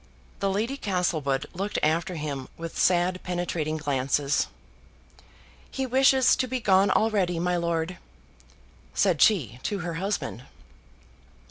The Lady Castlewood looked after him with sad penetrating glances. "He wishes to be gone already, my lord," said she to her husband.